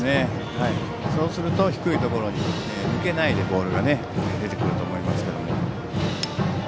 そうすると低いところに抜けないでボールが出てくると思います。